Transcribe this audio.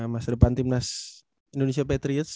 masa depan timnas indonesia patriots